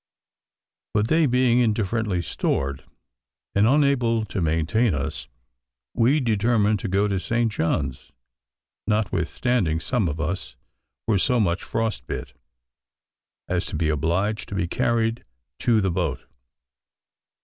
But they being indifferently stored, and unable to maintain us, we determined to go to St. John's, notwithstanding some of us were so much frost bit, as to be obliged to be carried to the boat.